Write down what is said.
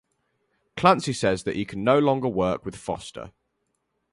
Clancy says that he can no longer work with Foster.